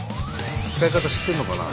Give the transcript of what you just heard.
使い方知ってるのかな？